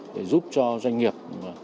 để giúp cho doanh nghiệp